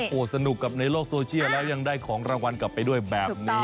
โอ้โหสนุกกับในโลกโซเชียลแล้วยังได้ของรางวัลกลับไปด้วยแบบนี้